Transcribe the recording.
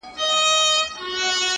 چي هغه نه وي هغه چــوفــــه اوســــــي,